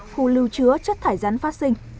khu lưu chứa chất thải rắn phát sinh